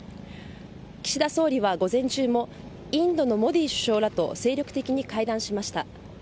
岸田総理は午前中もインドのモディ首相らと精力的に会談しました。